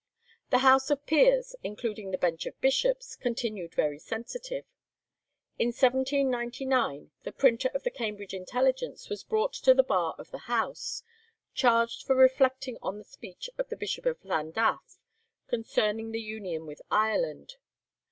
The House of Peers, including the Bench of Bishops, continued very sensitive. In 1799 the printer of the 'Cambridge Intelligence' was brought to the bar of the House, charged for reflecting on the speech of the Bishop of Llandaff concerning the union with Ireland.